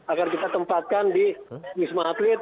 agar kita tempatkan di wisma atlet